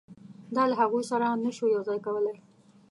دا له هغوی سره نه شو یو ځای کولای.